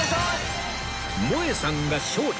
もえさんが勝利